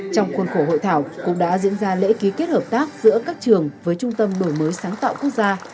trong khuôn khổ hội thảo cũng đã diễn ra lễ ký kết hợp tác giữa các trường với trung tâm đổi mới sáng tạo quốc gia